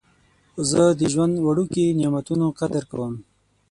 زه د ژوند وړوکي نعمتونه قدر کوم.